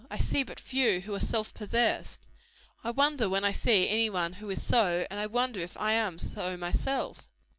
I see but few who are self possessed. I wonder when I see any one who is so; and I wonder if I am so myself."